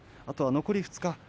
あとは残り２日。